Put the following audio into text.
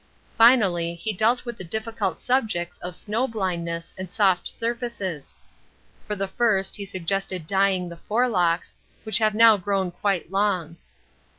Finally he dealt with the difficult subjects of snow blindness and soft surfaces: for the first he suggested dyeing the forelocks, which have now grown quite long.